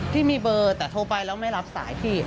ที่มีเบอร์แต่โทรไปแล้วไม่รับสายพี่